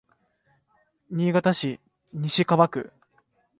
新潟市西蒲区